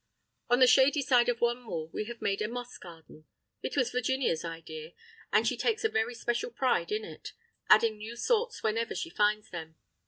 On the shady side of one wall, we have made a moss garden—it was Virginia's idea, and she takes a very special pride in it, adding new sorts whenever she finds them.